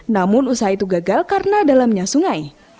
namun usaha itu gagal karena dalamnya sungai